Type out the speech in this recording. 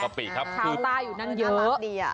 บางกะปิครับชาวใต้อยู่นั้นเยอะอร่อยดีอ่ะ